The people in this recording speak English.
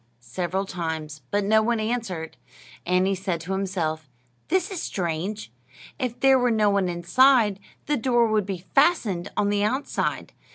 several times; but no one answered. And he said to himself: "This is strange! If there were no one inside, the door would be fastened on the outside.